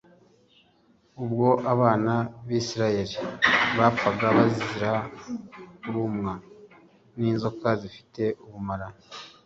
Ubwo abana b’Isiraheli bapfaga bazira kurumwa n’inzoka zifite ubumara